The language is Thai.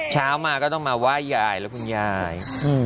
เช้ามาก็ต้องมาไหว้ยายและคุณยาย